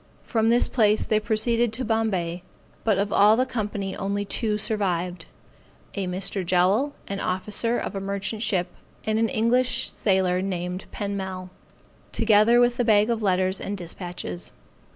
From this place they proceeded to Bombay, but of all the company only two survived. A Mr. Jowl, an officer of a merchant ship, and an English sailor named Penmel together with the bag of letters and dispatches.